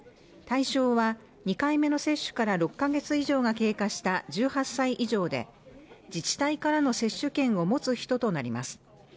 対象は２回目の接種から６か月以上が経過した１８歳以上で自治体からの接種券を持つ人となります